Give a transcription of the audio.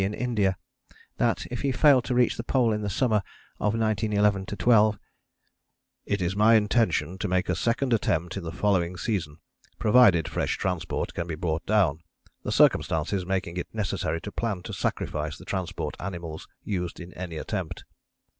in India, that if he failed to reach the Pole in the summer of 1911 12, "it is my intention to make a second attempt in the following season provided fresh transport can be brought down: the circumstances making it necessary to plan to sacrifice the transport animals used in any attempt.